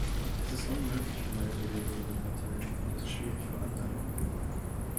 Es ist unmöglich für neue Bewegungen und Parteien, und es ist schwierig für andere.